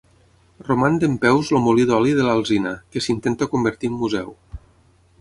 Roman dempeus el molí d'oli de l'Alzina, que s'intenta convertir en museu.